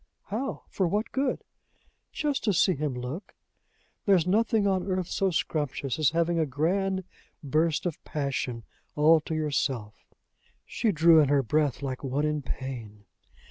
How? For what good?" "Just to see him look. There is nothing on earth so scrumptious as having a grand burst of passion all to yourself." She drew in her breath like one in pain.